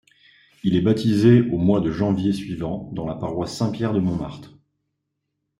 Il est baptisé au mois de janvier suivant dans la paroisse Saint-Pierre de Montmartre.